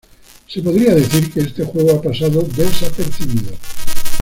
Se podría decir que este juego ha pasado desapercibido.